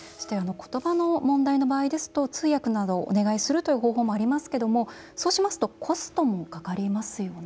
言葉の問題の場合ですと通訳などをお願いするという方法もありますけどもそうしますとコストもかかりますよね？